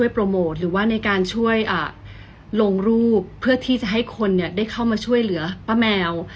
เพื่อที่จะให้คนได้เข้ามาช่วยเหลือป้าแมว